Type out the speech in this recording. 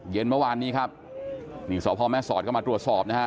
เย็นเมื่อวานนี้ครับนี่สพแม่สอดก็มาตรวจสอบนะฮะ